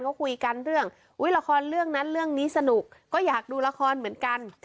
ก็คุยกันเรื่องละครเรื่องนั้นเรื่องนี้สนุกก็อยากดูละครเหมือนกัน